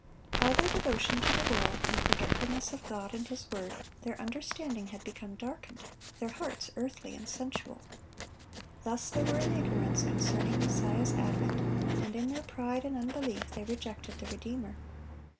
By their devotion to the world and forgetfulness of God and His word, their understanding had become darkened, their hearts earthly and sensual. Thus they were in ignorance concerning Messiah's advent, and in their pride and unbelief they rejected the Redeemer.